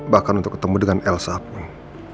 bahkan untuk ketemu dengan elsa pun